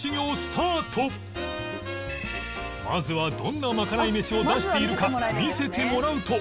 まずはどんなまかない飯を出しているか見せてもらうと